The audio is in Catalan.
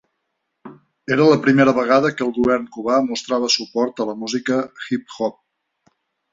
Era la primera vegada que el govern cubà mostrava suport a la música hip hop.